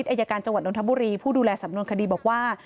อายการจังหวัดนทบุรีผู้ดูแลสำนวนคดีบอกว่า